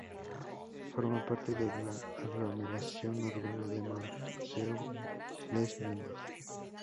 Forma parte de la aglomeración urbana de Montceau-les-Mines.